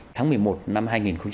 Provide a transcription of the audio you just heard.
tháng một mươi một năm hai nghìn tám